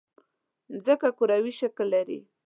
مځکه کروي شکل لري.